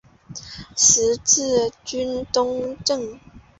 十字军东征。